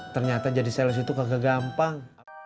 ternyata jadi sales itu kagak gampang